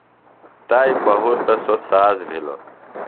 تائی پہُرتہ سوۡ ساز بِھلوۡ۔